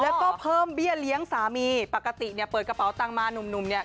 แล้วก็เพิ่มเบี้ยเลี้ยงสามีปกติเนี่ยเปิดกระเป๋าตังค์มาหนุ่มเนี่ย